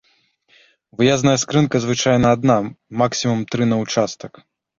Выязная скрынка звычайна адна, максімум тры, на ўчастак.